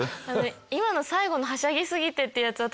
今の最後のはしゃぎすぎてってやつ私。